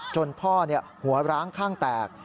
จนพ่อหัวร้างข้างแตก